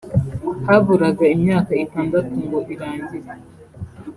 haburaga imyaka itandatu ngo irangire